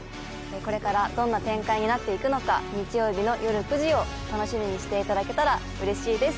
これからどんな展開になっていくのか日曜日の夜９時を楽しみにしていただけたらうれしいです